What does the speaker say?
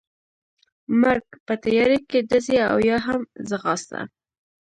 مرګ، په تیارې کې ډزې او یا هم ځغاسته.